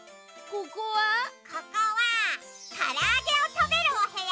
ここはからあげをたべるおへやよ。